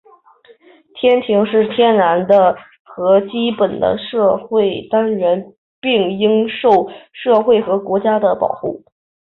家庭是天然的和基本的社会单元,并应受社会和国家的保护。